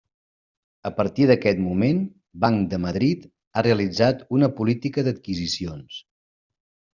A partir d'aquest moment, Banc de Madrid ha realitzat una política d'adquisicions.